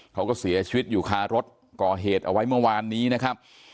เขาก็เสียชีวิตอยู่คารถก่อเหตุเอาไว้เมื่อวานนี้นะครับ